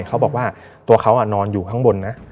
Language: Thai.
เขาบอกว่าตัวเขานอนอยู่ข้างบนนะ